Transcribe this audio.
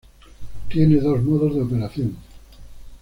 Tiene dos modos de operación.